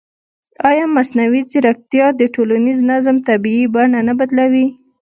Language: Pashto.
ایا مصنوعي ځیرکتیا د ټولنیز نظم طبیعي بڼه نه بدلوي؟